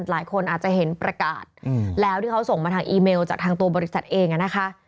หลายคนอาจจะเห็นประกาศแล้วที่เขาส่งมาทางอีเมลจากทางตัวบริษัทเองนะคะ